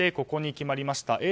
ここに決まりました。